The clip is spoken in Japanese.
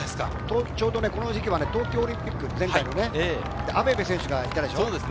この時期は東京オリンピック前回のね、アベベ選手がいたでしょ？